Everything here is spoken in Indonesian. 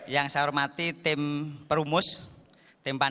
yang saya hormati tim perumus tim panitia